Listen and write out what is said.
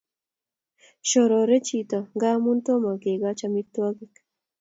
Shorore chiton ngamun tomo kikachi amitwakik